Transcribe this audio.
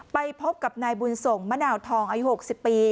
ไปพบกับนายบุญส่งมะนาวทองอายุ๖๐ปี